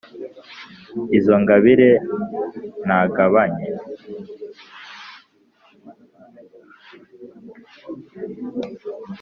izo ngabire nagabanye’